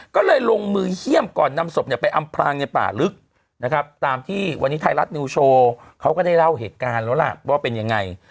ก็เลยลงมือเยี่ยมก่อนนำศพเนี่ยไปอำพลางในป่าลึกนะครับตามที่วันนี้ไทยรัฐนิวโชว์เขาก็ได้เล่าเหตุการณ์แล้วล่ะว่าเป็นยังไง